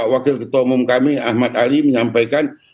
wakil ketua umum kami ahmad ali menyampaikan